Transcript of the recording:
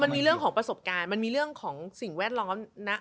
มันมีเรื่องของประสบการณ์มันมีเรื่องของสิ่งแวดล้อมนะ